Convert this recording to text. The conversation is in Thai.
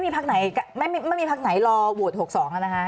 แต่ไม่มีภาคไหนรอวด๖๒นะคะ